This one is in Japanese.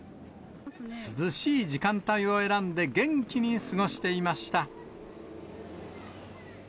涼しい時間帯を選んで、元気に過ごしていました。